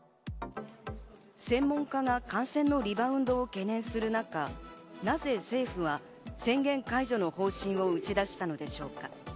専門家が感染のリバウンドを懸念する中、なぜ政府は宣言解除の方針を打ち出したのでしょうか。